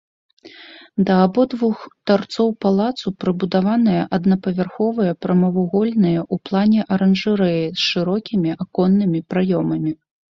Да абодвух тарцоў палацу прыбудаваныя аднапавярховыя прамавугольныя ў плане аранжарэі з шырокімі аконнымі праёмамі.